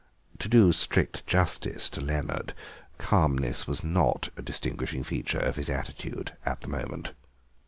To do strict justice to Leonard, calmness was not a distinguishing feature of his attitude at the moment.